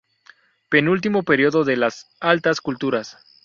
Penúltimo período de las Altas Culturas.